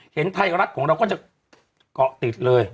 เห็นไทยรัฐของเราก็จะเกาะติดเลย